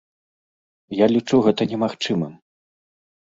Я лічу гэта немагчымым.